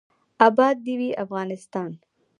اباد دې وي افغانستان.